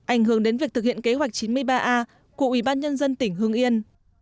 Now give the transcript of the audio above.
ảnh hưởng đến việc thực hiện kế hoạch chín mươi ba a của ủy ban nhân dân tỉnh hương yên